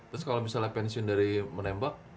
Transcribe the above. terus kalau misalnya pensiun dari menembak